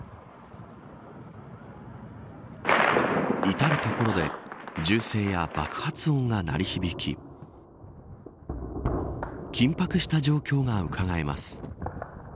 至る所で銃声や爆発音が鳴り響き緊迫した状況がうかがえます。